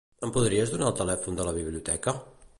Em podries donar el telèfon de la biblioteca?